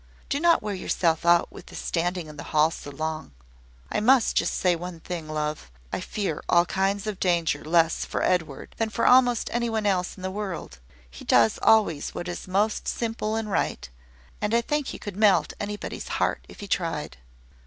Do not wear yourself out with standing in the hall so long. I must just say one thing, love, I fear all kinds of danger less for Edward than for almost any one else in the world: he does always what is most simple and right; and I think he could melt anybody's heart if he tried."